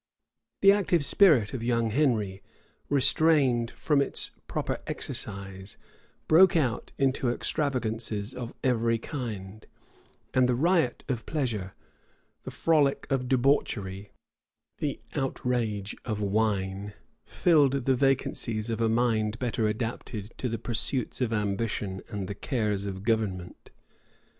The active spirit of young Henry, restrained from its proper exercise, broke out into extravagances of every kind; and the riot of pleasure, the frolic of debauchery, the outrage of wine, filled the vacancies of a mind better adapted to the pursuits of ambition and the cares of government.